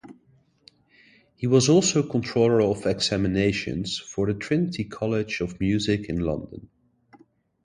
He was also Controller of Examinations for the Trinity College of Music in London.